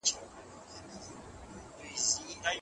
موږ باید د خپلو لورانو تعلیم ته پاملرنه وکړو.